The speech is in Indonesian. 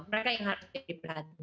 mereka yang harus diperhatikan